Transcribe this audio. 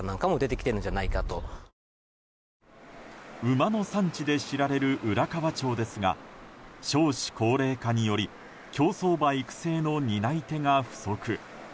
馬の産地で知られる浦河町ですが少子高齢化により競走馬育成の担い手が不足。